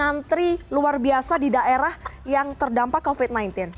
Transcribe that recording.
antri luar biasa di daerah yang terdampak covid sembilan belas